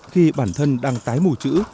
khi bản thân đang tái mù chữ